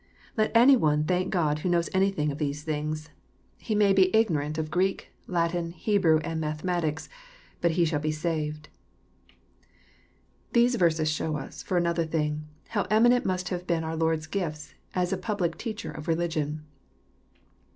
Let any one thank God who knows anything of these things. He n 53 EXF06ITOBT THOUGHTS. may be ignorant of Greek, Latin, Hebrew, and mathe matics, but he shall be saved. These verses show us, for another thing, how eminent must have been our Lord^s gifts^ as a public Teacher of religion.